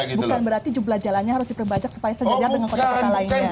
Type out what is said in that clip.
bukan berarti jumlah jalannya harus diperbajak supaya sejajar dengan kota kota lainnya